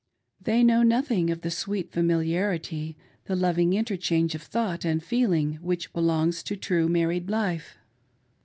They know nothing of the sweet famili arity, the loving interchange of thought and feeling which belongs to true married life.